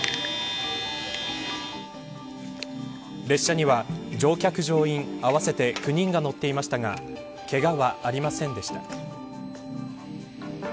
列車には、乗客乗員合わせて９人が乗っていましたがけがはありませんでした。